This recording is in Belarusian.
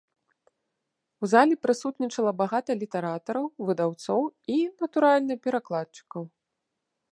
У зале прысутнічала багата літаратараў, выдаўцоў і, натуральна, перакладчыкаў.